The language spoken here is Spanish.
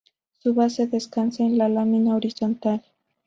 Su base descansa en la lámina horizontal.